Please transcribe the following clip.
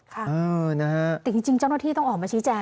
ครับจริงเจ้าหนุ่มที่ต้องออกมาชี้แจงนะ